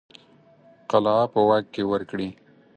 قلعه په واک کې ورکړي.